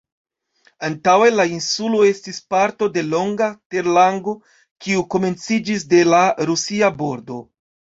Antaŭe la insulo estis parto de longa terlango, kiu komenciĝis de la Rusia bordo.